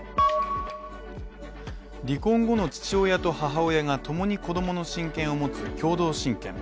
離婚後の父親と母親が共に子供の親権を持つ共同親権。